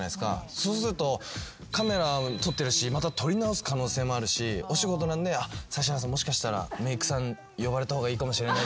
そうするとカメラ撮ってるしまた撮り直す可能性もあるしお仕事なので「指原さんもしかしたらメークさん呼ばれた方がいいかもしれないです」